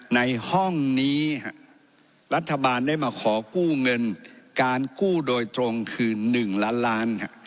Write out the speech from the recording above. ในห้องนี้รัฐบาลได้มาขอกู้เงินการกู้โดยตรงคือ๑ล้านล้าน